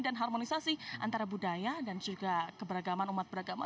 dan harmonisasi antara budaya dan juga keberagaman umat beragama